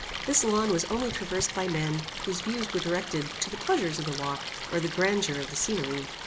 This lawn was only traversed by men whose views were directed to the pleasures of the walk, or the grandeur of the scenery.